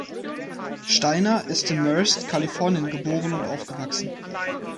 Stayner ist in Merced, Kalifornien, geboren und aufgewachsen.